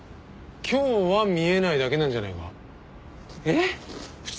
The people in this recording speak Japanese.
今日は見えないだけなんじゃねえか？